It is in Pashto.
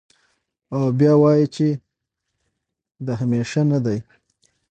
او بيا وائې چې د همېشه نۀ دے